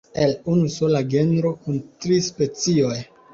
Ĝi konsistas el unu sola genro kun tri specioj.